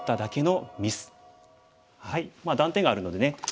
断点があるのでね